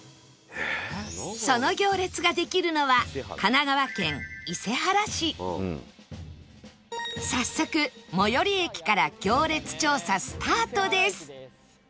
その行列ができるのは早速最寄り駅から行列調査スタートです